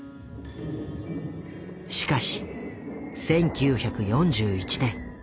しかし１９４１年。